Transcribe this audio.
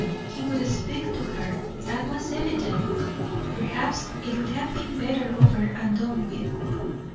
He would speak to her, that was evident; perhaps it would have been better over and done with.